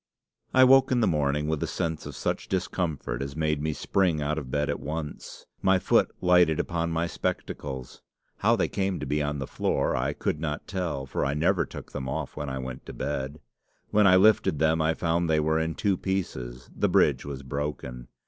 "I woke in the morning with a sense of such discomfort as made me spring out of bed at once. My foot lighted upon my spectacles. How they came to be on the floor I could not tell, for I never took them off when I went to bed. When I lifted them I found they were in two pieces; the bridge was broken.